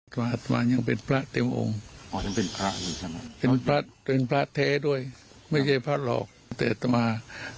ต่อมายังเป็นพระเต็มองค์